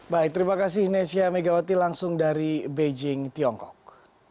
baik terima kasih nesya megawati langsung dari beijing tiongkok